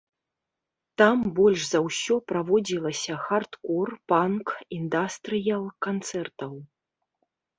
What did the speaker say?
Там больш за ўсё праводзілася хардкор, панк, індастрыял-канцэртаў.